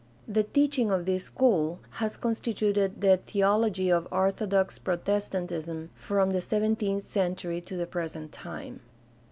The teaching of this school has con stituted the theology of orthodox Protestantism from the seventeenth century to the present time.